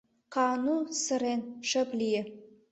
Каану, сырен, шып лие.